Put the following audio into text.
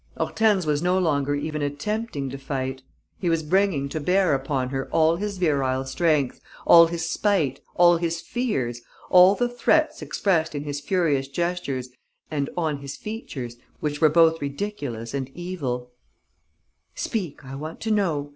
Hortense was no longer even attempting to fight. He was bringing to bear upon her all his virile strength, all his spite, all his fears, all the threats expressed in his furious gestures and on his features, which were both ridiculous and evil: "Speak, I want to know.